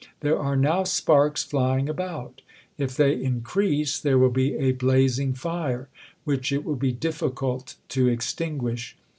There are now sparks flying about. If they increase there will be a blazing fire which it will be difficult to extinguish.